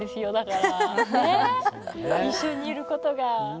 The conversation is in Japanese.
一緒にいることが。